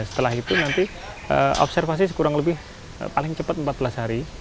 setelah itu nanti observasi kurang lebih paling cepat empat belas hari